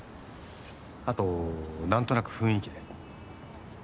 あと、何となく雰囲気で。